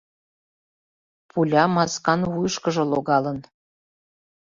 Пуля маскан вуйышкыжо логалын...